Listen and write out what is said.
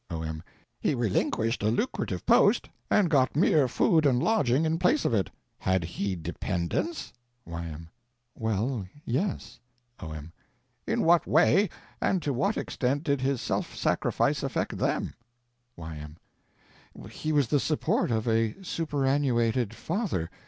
O.M. He relinquished a lucrative post and got mere food and lodging in place of it. Had he dependents? Y.M. Well—yes. O.M. In what way and to what extend did his self sacrifice affect them? Y.M. He was the support of a superannuated father.